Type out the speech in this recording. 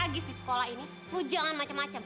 ketagis di sekolah ini lo jangan macem macem